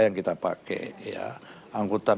yang kita pakai angkutan